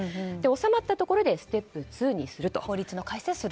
収まったところでステップ２にすると。